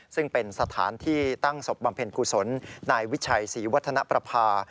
ซึ่งเป็นสถานที่ตั้งศพบำเพ็ญกุศลนายวิชัยศรีวัฒนประภา